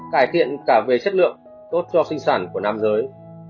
cải thiện cả về chất lượng tốt cho sinh sản của nam giới